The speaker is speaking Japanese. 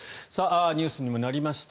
ニュースにもなりました